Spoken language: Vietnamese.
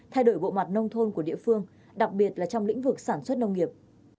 thay đổi bộ mặt nông thôn của địa phương đặc biệt là trong lĩnh vực sản xuất nông nghiệp